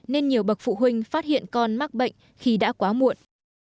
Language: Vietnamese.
nên nhiều bậc phụ huynh phát hiện con mắc bệnh khi đã quá muộn